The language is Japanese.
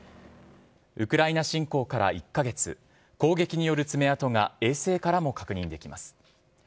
ウクライナ侵攻から１カ月攻撃による爪痕が衛星からも確認できます。